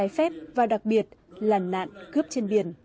trái phép và đặc biệt là nạn cướp trên biển